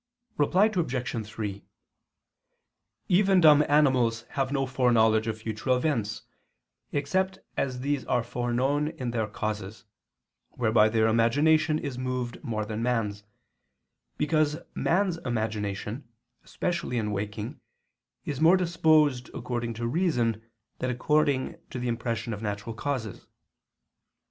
Reply Obj. 3: Even dumb animals have no foreknowledge of future events, except as these are foreknown in their causes, whereby their imagination is moved more than man's, because man's imagination, especially in waking, is more disposed according to reason than according to the impression of natural causes.